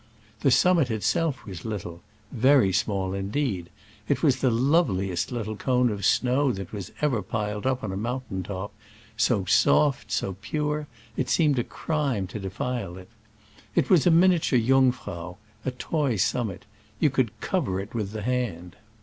The summit itself was little — very small in deed : it was the loveliest little cone of snow that was ever piled up on moun tain top ; so soft, so pure, it seemed a crime to defile it. It was a miniature Jungfrau, a toy summit : you could cover it with the hand.